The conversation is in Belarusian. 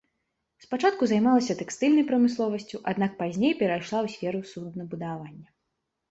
Спачатку займалася тэкстыльнай прамысловасцю, аднак пазней перайшла ў сферу суднабудавання.